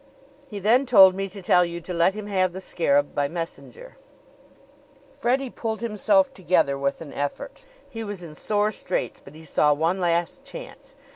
He then told me to tell you to let him have the scarab by messenger." Freddie pulled himself together with an effort. He was in sore straits, but he saw one last chance.